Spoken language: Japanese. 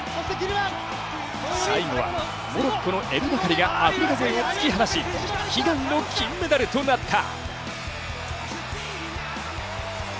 最後はモロッコのエル・バカリがアフリカ勢を突き放し、悲願の金メダルとなった。